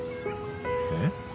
えっ？